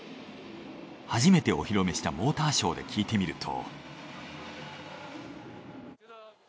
初めてお披露目したモーターショーで聞いてみると。